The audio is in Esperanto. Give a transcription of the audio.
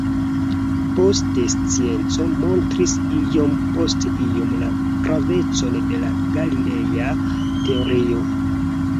Poste scienco montris iom post iom la pravecon de la Galileja teorio.